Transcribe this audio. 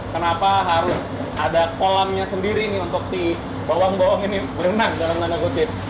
kenapa harus ada kolamnya sendiri untuk si bawang bawang ini berenang dalam nama kutip